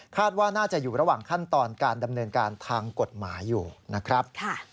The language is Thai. ว่าน่าจะอยู่ระหว่างขั้นตอนการดำเนินการทางกฎหมายอยู่นะครับ